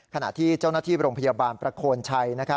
ขณะที่เจ้าหน้าที่โรงพยาบาลประโคนชัย